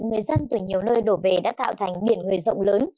người dân từ nhiều nơi đổ về đã tạo thành biển người rộng lớn